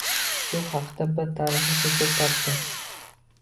Shu hakda bir tarixiy hujjat topdi.